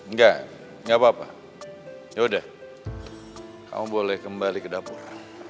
nggak nggak apa apa ya udah kamu boleh kembali ke dapur